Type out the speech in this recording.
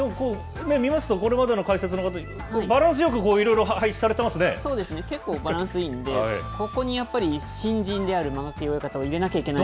見ますと、これまでの解説の方、バランスよくいろいろ配置さそうですね、結構バランスいいんで、ここにやっぱり新人である間垣親方を入れなきゃいけない。